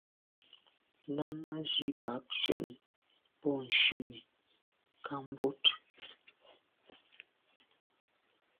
Náná zí bǎk ncwɛ́n bû shúnì kā bút.